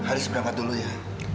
bu haris berangkat dulu ya